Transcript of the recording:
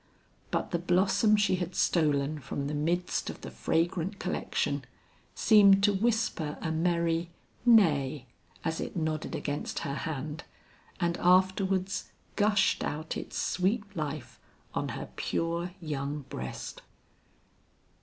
But the blossom she had stolen from the midst of the fragrant collection, seemed to whisper a merry nay, as it nodded against her hand, and afterwards gushed out its sweet life on her pure young breast.